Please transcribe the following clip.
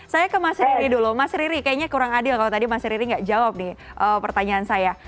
saya ke mas riri dulu mas riri kayaknya kurang adil kalau tadi mas riri nggak jawab nih pertanyaan saya